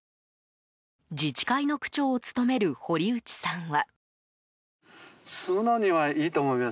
自治会の区長を務める堀内さんは。